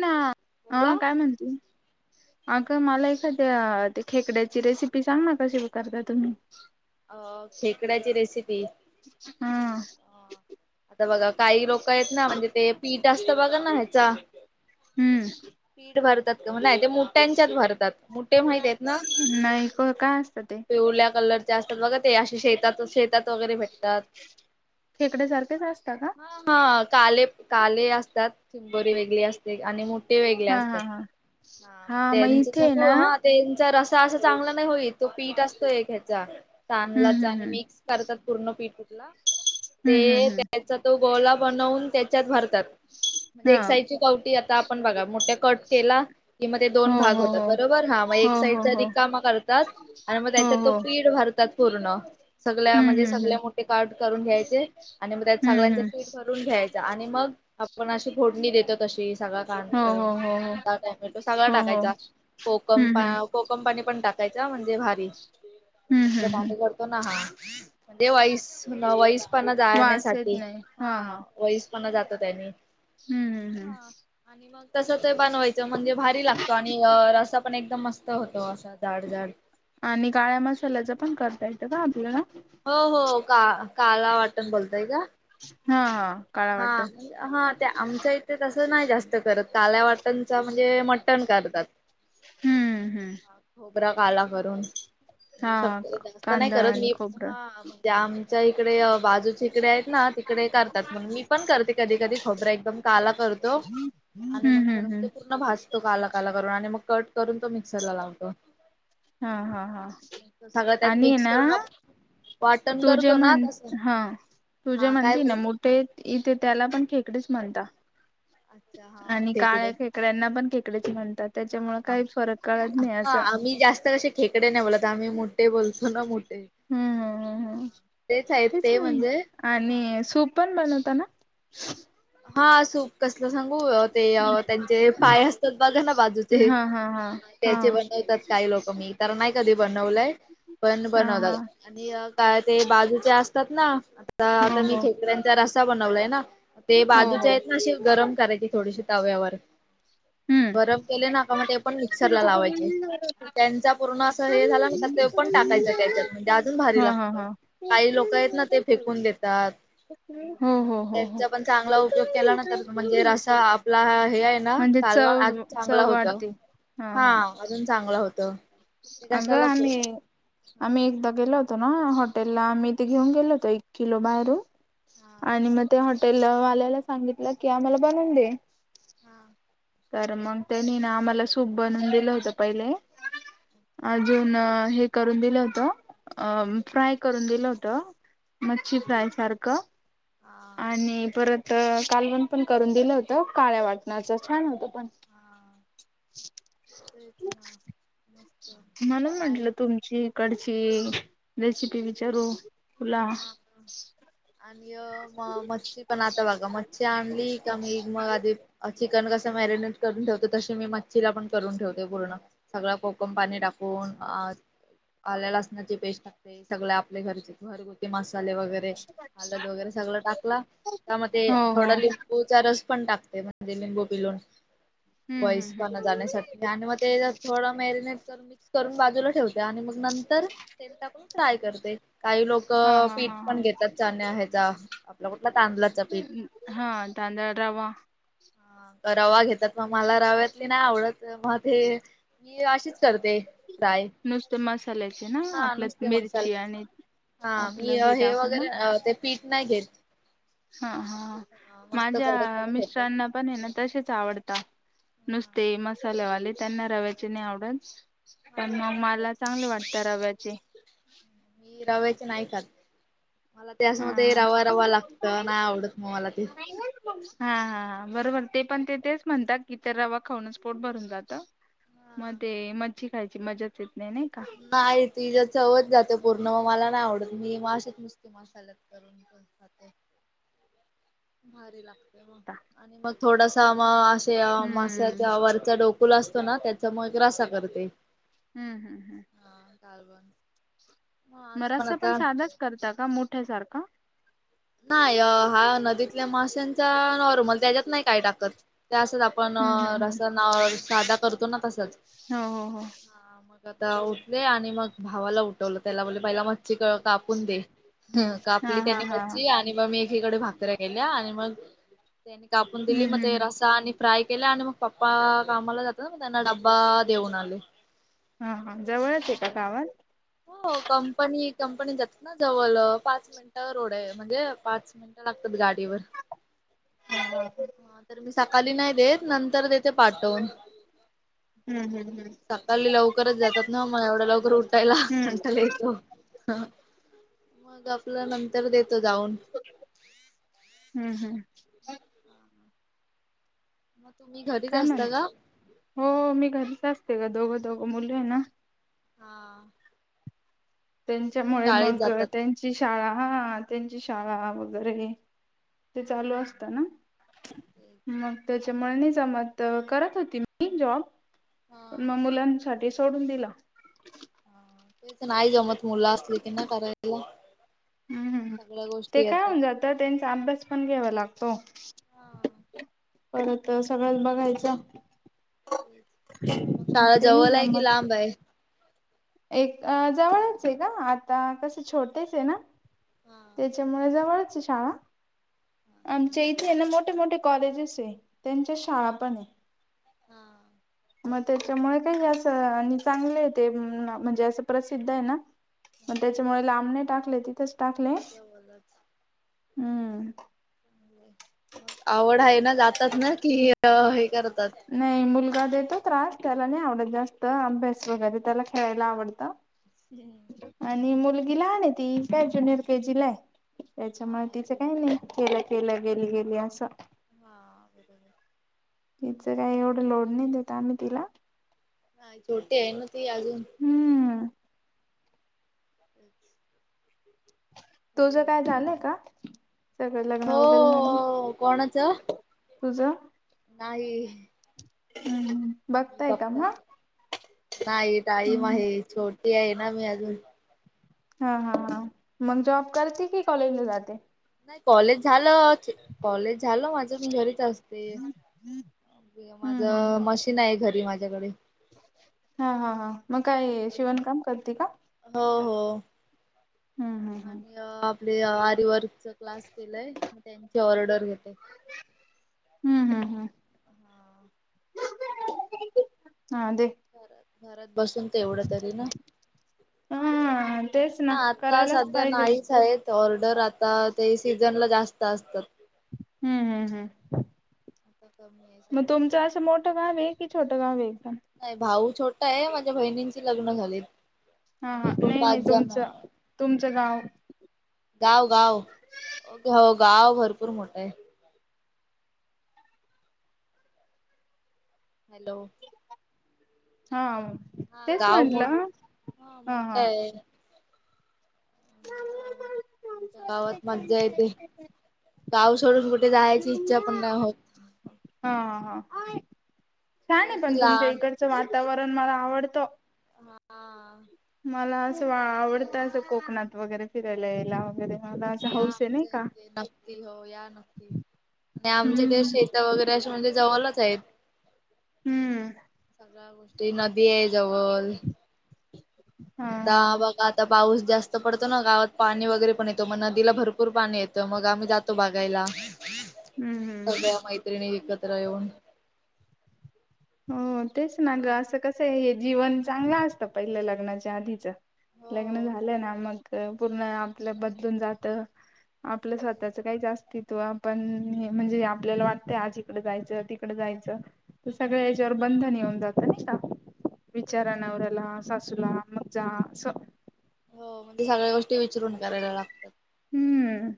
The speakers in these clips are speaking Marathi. ना हा बोला काय म्हणती अग मला एखाद्या त्या खेकड्याची रेसिपी सांग ना कशी ग करता तुम्ही. अ खेकड्याची रेसिपी हा आता बघा काही लोक आहेत ना ते म्हणजे ते पीठ असतं बघा ना ह्याचा हम्म पीठ भरतात नाही ते मोठ्यांच्यात भरतात. मोठे माहित आहेत ना नाही काय असतं ते पिवल्या कलर जास्त बघा ते अशी शेतात शेतात वगैरे भेट. खेकड्या सारखं ह हा काले काले असतात चिंबोरी वेगळी असते आणि मो ते वेगळे हा असतात हा हा हा मग त्यांच इथे ना सागुं त्यांच रस्सा असा चांगला नाही होई तो पीठ असतोय ह्याचा हम्म तांदलाचा आणि हम्म मिक्स करतात पूर्ण पीठ. हम्म हम्म ते हम्म हम्म त्याचा तो गोला बनवून त्याच्यात भरतात. म्हणजे हा एक साइजची कवटी आता आपण बघा मोठ्या कट केला. कि मग ते दोन हो भाग हो होतात हो बरोबर हा मग एक हो साइडचा हो हो रिकामा कर हो हो पूर्ण सगळ्या हम्म म्हणजे हम्म हम्म सगळ्या मोठे कार्ड करून घ्यायचे आणि मग त्यात हम्म सगळ्यांच हम्म पीठ भरून घ्यायचं आणि मग आपण अशी फोडणी देतो तशी सगळा हो हो हो कांदा टोमॅटो सगळा हो हो हो टाकायचा कोकम हम्म पा हम्म कोकम पाणी पण टाकायचा म्हणजे भारी हम्म तुमचं हम्म हम्म पाणी करतो ना हा म्हणजे वाईस वईस पणा वास येत जाण्यासाठी नाही हा वईस पणा जातो त्यांनी हम्म हम्म हम्म. तस ते बनवायचं म्हणजे भारी लागतो आणि रसा पण एकदम मस्त होतो असा जाड जाड आणि काळ्या मसाल्याच पण करता येतं का आपल्याला हो हो का काला वाटण बोलताय का हा काळा वाटण हा हा ते आमच्या इथे तस नाही जास्त करत काल्या वाटणचा म्हणजे मटण करतात हम्म हम्म खोबरा काला करून म्हणजे हा शक्यतो जास्त नाही कांदा करत आणि मी खोबरं म्हणजे आम च्या इकडे बाजूचे ईकडे आहेत ना तिकडे करतात मग मी पण करते कधी कधी खोबरं एकदम काला करतो आणि मग हम्म तर हम्म मग हम्म ते पूर्ण भाजतो तो काला काला करून आणि मग कट करून तो मिक्सरला लावतो हा हा हा सगळं त्यात आणि ये मिक्स ना करून आपण वाटण तु जे करतो ना म्हण तसं हा तु जे हा काय म्हणते ना बोलते मोठे इथे त्याला पण खेकडीच म्हणता अच्छा हा आणि खेकडे काळ्या खेकड्यांना पण खेकडेच म्हणतात हा त्याच्यामुळे हा काही फरक कळत नाही हा असं आम्ही जास्त कसे खेकडे नाही बोलत आम्ही मोठे बोलतो ना मोठे हम्म हम् हम् हम् आहेत तेच ते म्हणजे ना आणि हा सूप पण बनवताना [inaudible] हा सूप कसलं सांगू ते त्यांचे पाय असतात बघा ना बाजूचे हा हा हा हा त्याचे बनवतात काही लोक मी तर नाही कधी बनवलंय पण हा हा बनवतात आणि काय ते बाजू ते असतात ना आता हो आता मी हो खेकड्याचा रसा बनवलाय ना ते हो बाजूच्या हो आहेत ना अशी गरम करायची थोडीशी तव्यावर हम्म गरम केले ना का मग ते पण मिक्सरला लावायचे त्यांचा पूर्ण असं हे झालं ना का ते पण टाकायचं त्याच्यात म्हणजे अजून भारी हा हा लागत हा काही लोक आहेत ना ते फेकून देतात हो हो पण हो त्याचा पण चांगला उपयोग केला ना तर म्हणजे रसा आपला हे आहे ना म्हणजे कालवण चव अजून चांगलं चव होत वाढते हा अजून चांगलं होतं अगं आम्ही हा आम्ही एकदा गेलो होतो ना हॉटेलला मी ते घेऊन गेलो होतो एक किलो बाहेरून हा आणि मग ते हॉ टेलवाल्याला सांगितलं की आम्हाला बनवून दे. [inaudible] तर मग त्यांनी ना आम्हाला सूप बनून दिलं होतं पहिले. अजून हे करून दिलं होत अ फ्राय करून दिलं होत. मच्छी हा फ्राय सारखं. हा आणि परत कालवण पण करून दिलं होत काळ्या वाटणाच छान होत. [inaudible] हा तेच ना मस्त खयला. अ रेसिपी विचारू.. तुला हा हो ह.. मग मच्छी पण आता बघा मच्छी आणली का मी मग आधी.. चिकन कसं मॅरिनेट करून ठेवतो तशी मी मच्छीला पण करून ठेवते पूर्ण सगळं कोकम पाणी टाकू.. आल्या लसण्याच पेस्ट टाकते सगळ आपल्या घरचे घ. मसाले वगैरे हलद वगैरे सगळ टाकला त्यामध्ये हो थोडा लिंबूचा रस.. पण टाकते म्हणजे मेंबू पिलोून. हम्म हम्म वईस हम्म पणा जाण्यासाठी आणि मग ते थोडं मॅरिनेट करून मिक्स. करून बाजूला ठेवते आणि मग नंतर तेल टाकून फ्राय करते काही लोक... हा हा पीठ हा हा पण घेतात चाण्या आहे आपल्या कठ.. हा दांदळ रवा. ह रवा घेतात मग मला रव्यातली नाही आवडत. तर मग ते मी अशीच करते ट्राय.. नुसत मसाल्याचे ना आपल्या मिरची मसाल्याच. आणि.. हा आपलं मी हे टाकून ना वगैरे ते पीठ नाही घेत. हा हा मस्त माझ्या कडक कडक होते. मिस्टरांना पण आहे ना तसेच आवडतात. हा नुसते मसाल्यावाले त्यांना रव्याचे नाही आवडत. मला पण मग नाही मला चांगले रव्याची वाटतं रव्याचे. मी रव्याची नाही का मला त्यासम हा ते रवा रवा लागत नाही आवडत मग मला ते. हा हा बरोबर ते पण ते तेच म्हणतात की ते रवा खाऊनच पोट भरून जातं. म ते मच्छी खायची मजाच येत.. नाही नाही का तु ज चव जात. ते पूर्ण म मला नाही आवडत मी माशीेत नुस्ती मशाल्यात करून खाते. भारी लागते. आणि मग थोडासा मग असे हम्म माशच्या वरचा डोक.. ुल असतो ना त्याचा मगरासा करते. हम्म हम्म हम्म. कारलबनस.. मग रस्ता पण साधाच करता का मोठ्यासारखा. नाही अ हा नदीतल्या माश्यांचा नॉर्मल त्याच्यात नाही काय टाकत. त्या असच आपण हम्म हम्म हम्म रसान साध करतो ना... तसंच. हो हो हो. हा मग आता उठले आणि मग भावाला उठवलं त्याला बोलले पहिला मच्छी कळ कापून दे. हा कापली हा त्यांनी हा हा मच्ी आणि मग मी एकीकडे भाकऱ्या केल्या आणि मग... त्यांनी कापून दिली हम्म मग हम्म ते हम्म रसा आणि फ्राय केला आणि मग.. पप्पा कामाला जातात मग त्यांना डब्बा देऊन आले. हा हा जवळच आहे का गावात. हो कंपनी कंपनी जातात ना जवळ पाच मिनिटं रड आहे म्हणजे पाच मिनिटं लागत. गाडीवर तर मी सकाळी नाही देत. नंतर तेथे पाठवून. हम्म हम्म हम्म सकाळली लवकरच जातात ना मग एवढा लवकर उठायला हम्म कंटाला येतो. ह मग आपल्या नंतर देत हम्म हम्म मग तुम्ही घरीच काय नाही असता का? हो मी घरीच असते ग दोघं दोघ मुले आहे ना हा त्यांच्यामुळे मग त्यांची शाळा हा त्यांची शाळा वगैरे ते चालू असत ना तेच मग त्याच्या मळनी जमत करत होती मी जॉब पण हा मग मुलांसाठी सोडून दिला तेच नाही जमत मुलं असली की नाही करायला हम्म हम सगळ्या ते गोष्टी काय येतात. होऊन जात त्यांचा अभ्यास पण घ्यावा लागतो परत सगळंत बघायचं मग शाळा ते नाही जवळला आहे कि जमत लांब आहे एक जवळच आहे का आता कसे छोडतेच आहे ना हा त्याच्यामुळे जवळच शाळा आमच्या इथे ना मोठे मोठे कॉलेजेस आहे त्यांच्या शाळा पण आहे मग त्याच्यामुळे काही असं आणि चांगले आहे ते म्हणजे असं प्रसिद्ध आहे ना मग त्याच्यामुळे लांबणी टाकले तिथंच टाक आवड आहे ना जात की हे कर नाही मुलगा देतो त्रास त्याला नाही आवडत जास्त अभ्यास वगरे त्याला खेळायला आवडत हम्म. आणि मुलगीला ह ती काय ज्युनियर के जीला त्याच्यामुळे हा तिचं काही छोटी आहे नाही केलं केलं गेली गेली असं हा बरोबर तिचं काही एवढं लोड नाही देत आम्ही तिला नाही छोटे आहे ना ते अजून हम्म अच्छ तुझ काय झालंय का सगळं लग्न वगैरे हो तुझा नाहीय हम्म बघताय का म नाही टाईम आहे छोटी आहे ना मी अजून हा हा हा मग जॉब करते की कॉलेजला जाते नाही कॉलेज झालं कॉलेज झालं माझ मी घरीच असते माझ हम्म हम्म हम्म मशीन आहे घरी माझ्याकडे हा हा हा मग ते काय कर. शिवणकाम करते का हो हो हम्म हम्म हम्म आणि आप आरवर्क क्लास केलाय मग त्यांची ऑर्डर घेते हम्म हम्म हम्म हा दे घरात घरात बसून ते एवढं तरी ना हा तेच ह ना आता करायलाच सध्या पाहिजे नाहीच आहेत ऑर्डर आता ते सीझन ला जास्त असतात हम्म हम्म हम् आता कमी आहे मग सगळं तुमचं असं मोठ भाव आहे कि छट गा वेा नाही भाऊ छोटा आहे माझ्या बहिणींची लग्न झाली हा आ म हा एकूण नाही नाही पाच जण तुमचं तुमचं गाव ह गाव गाव हो गाव भरपूर मोठा आहे हॅलो हा हा तेच गाव मोठ म्हंटलं हा हा तुमच्या गावात मज्जा येते गाव सोडून कुठे जायची इच्छा पण नाही होत हा हा हा छान ते आहे पण कशी तुमच्या लहान इकडचं वातावरण मला आवडतं हा मला असं चांगलं आवडत अस आहे कोकणात वगैरे फिरायला यायला वगैरे मला असं या हौस आहे नाही आमच्या का. इथे नक्ती हो या नक्ती आणि आमच्या ते हम्म शेता वगैरे असे म्हणजे जवळलाच आहेत हम्म सगळ्या गोष्टी नदी आहे जवळ हा आता हा बघा आता पाऊस जास्त पडतो ना गावात पाणी वगैरे पण येतो मग नदीला भरपूर पाणी येतं मग आम्ही जातो बघायला हम्म हम्म. सगळ्या मैत्रिणी एकत्र येऊन हो तेच ना ग असं कसं आहे हे जीवन चांगलं असतं पहिल्या लग्नाच्या आधीच लग्न हो झालं ना मग पूर्ण आपलं बदलून जात आपलं तेच स्वतःचं काही जास्ती तो आपण हे म्हणजे आपल्याला वाटतय आज इकड जायचं तिकड जायचं सगळ हो याच्यावर बंधन होऊन जात आणि का तेच. विचारांनावरला सासूला मज्जा अस हो मणज ते सगळ्या गोष्टी विचरून करायला लागतात हम्म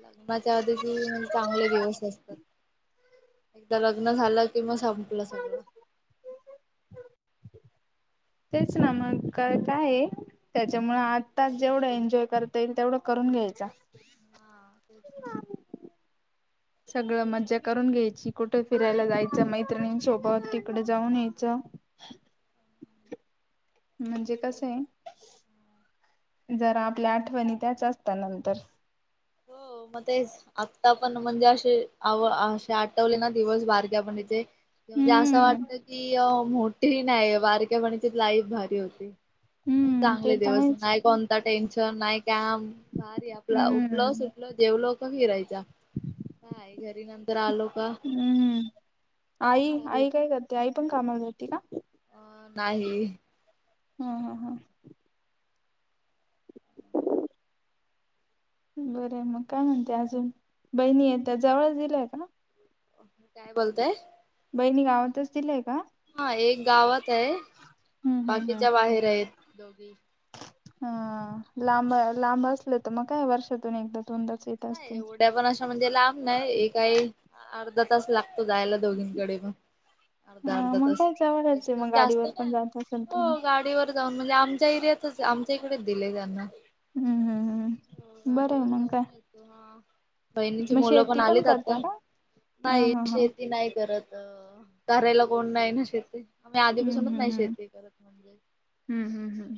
लग्नाच्या आधीचे म्हणजे चांगले दिवस असतात एकदा लग्न झालं कि म संपलं सगळं तेच ना मग का काय त्याच्यामुळे आत्ताच जेवढं एन्जॉय करता येईल तेवढं कर घ्यायचा हा तेच नाही सगळं मजा करून घ्यायची कुठे फिरायला जायचं मैत्रिणीं सोभत जाऊन यायचं [inaudible] म्हणजे कस ना आहे जरा आप आपल्या आठवणी त्याच असत नंतर हो मग ते आत्ता पण म्हणजे असे आव असे आठवले ना दिवस बारग्या पण जे म्हणजे असं हम्म वाटत की मोठीही नाही बारक्यापणीची लाईफ भारी होती हम्म ते चांगले तर दिवस आहेच नाही कोणता टेन्शन नाही काम भारी आपला सुटलं हम्म सुटलं देवल का फिरायच काय घरी नंतर आलो का हम्म म्हणजे आई भारी आई काय करते आई पण कामाला जाते का अ नाही हम् हम् हम् बरं मग काय म्हणते अजून बहिणी येत जवळच दिलाय का मी काय बोलतय बहिणी गावातच दिलीय का हा एक गावात आहे हम्म हम्म हम्म. बाकीच्या बाहेर आहेत दोघी हा लांब लांब असल तर मग काय वर्षातून एकदा दोनदाच येत नाही असतील. एवढ्या पण अशा म्हणजे लांब नाही हे काही अर्धा तास लाग तो जायला दोघींकडे पण अर्धा हा अर्धा मग तास काय जवळच आहे एकदम मग जास्त गाडीवर ना पण जात असेल तुम्ही. हो गाडीवर जाऊन म्हणजे आमच्या एरियातच आमच्या इकडेच दिले त्यांना हम्म हम्म हम्म बरं आहे मग काय बहिणींची मग मुलं पण शेती आलीत करता आता का? हा नाही हा हा. शेती नाही करत अ कराायला कोण नाही ना शेती आम्ही आधीपासूनच हम्म हम्म नाही शेेत हम्म करत म्हणजे हम्म हम्म हम्म.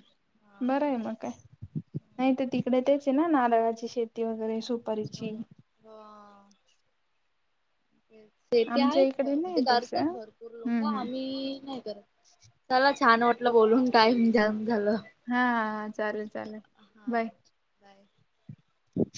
बरं हा आहे मग काय नाही तर तिकडे तेच आहे ना नारळाची शेती वगैरे हो. सुपारीची ते ते आमच्या आहेत इकडे म्हणजे नाही तसं. करतात भरपूर हम्म लोक हम्म आम्ही नाही करत. चला छान वाटलं बोलून टाईम द्या. हा हा हा चालेल चालेल हा बाय. बाय. हम्.